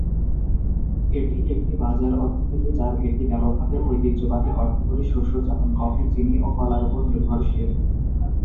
এটি একটি বাজার অর্থনীতি যার ভিত্তি ব্যাপকভাবে ঐতিহ্যবাহী অর্থকরী শস্য যেমন কফি, চিনি ও কলার উপর নির্ভরশীল।